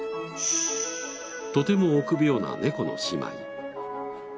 とても臆病な猫の姉妹。